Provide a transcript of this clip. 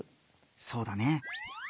そうだね。